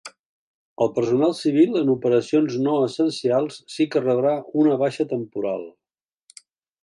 El personal civil en operacions no essencials si que rebrà una baixa temporal.